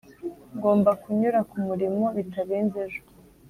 ngomba kunyura kumurimo bitarenze ejo.